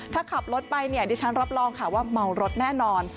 ถ้าขับรถไปเนี่ยดิฉันรับรองค่ะว่าเมารถแน่นอน